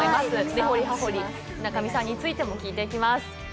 根掘り葉掘り、水上さんについても聞いていきます。